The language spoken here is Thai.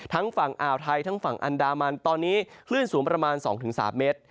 ฝั่งอ่าวไทยทั้งฝั่งอันดามันตอนนี้คลื่นสูงประมาณ๒๓เมตร